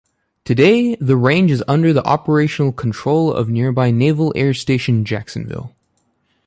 Today, the range is under the operational control of nearby Naval Air Station Jacksonville.